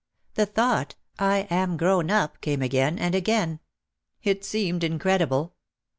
The thought "I am grown up!" came again and again. It seemed incredible.